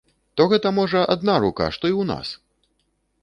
То гэта, можа, адна рука, што і ў нас!